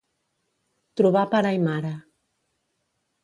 Trobar pare i mare.